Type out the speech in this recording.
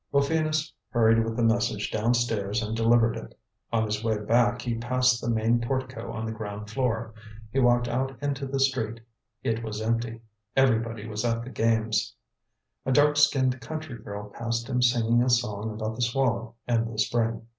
Rufinus hurried with the message downstairs and delivered it. On his way back he passed the main portico on the ground floor. He walked out into the street: it was empty. Everybody was at the games. A dark skinned country girl passed him singing a song about the swallow and the spring.